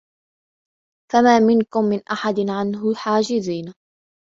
فَمَا مِنْكُمْ مِنْ أَحَدٍ عَنْهُ حَاجِزِينَ